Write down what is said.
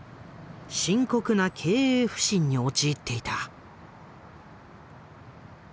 深刻な経営不振に陥っていた。